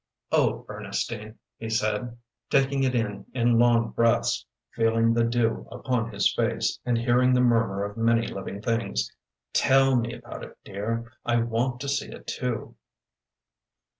"Oh, Ernestine," he said, taking it in in long breaths, feeling the dew upon his face, and hearing the murmur of many living things, "tell me about it, dear. I want to see it too!"